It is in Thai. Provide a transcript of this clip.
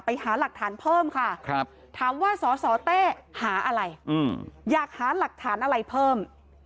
ไปหาหลักฐานเพิ่มค่ะถามว่าสสเต้หาอะไรอยากหาหลักฐานอะไรเพิ่ม